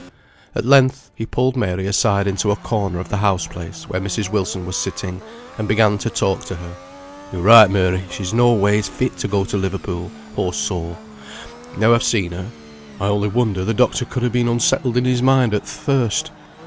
At length he pulled Mary aside into a corner of the house place where Mrs. Wilson was sitting, and began to talk to her. "Yo're right, Mary! She's no ways fit to go to Liverpool, poor soul. Now I've seen her, I only wonder the doctor could ha' been unsettled in his mind at th' first.